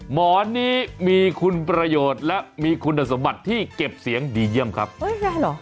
หมอนนี้มีคุณประโยชน์และมีคุณสมบัติที่เก็บเสียงดีเยี่ยมครับเฮ้ยง่ายเหรอ